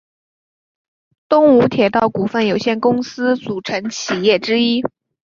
东武铁道股份有限公司的组成企业之一。